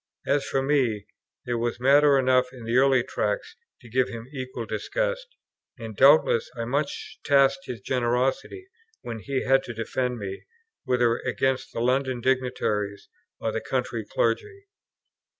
As for me, there was matter enough in the early Tracts to give him equal disgust; and doubtless I much tasked his generosity, when he had to defend me, whether against the London dignitaries or the country clergy.